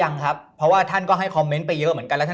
ยังครับเพราะว่าท่านก็ให้คอมเมนต์ไปเยอะเหมือนกันแล้วท่าน